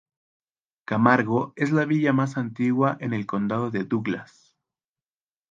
Camargo es la villa más antigua en el condado de Douglas.